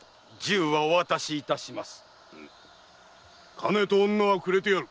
金と女はくれてやる。